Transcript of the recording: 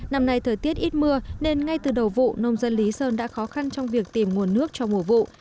năm nay thời tiết ít mưa nên ngay từ đầu vụ nông dân lý sơn đã khó khăn trong việc tìm nguồn nước cho mùa vụ